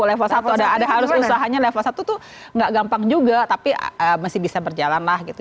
level satu ada harus usahanya level satu tuh nggak gampang juga tapi masih bisa berjalan lah gitu